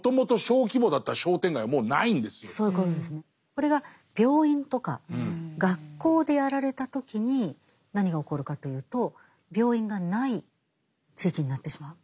これが病院とか学校でやられた時に何が起こるかというと病院がない地域になってしまう。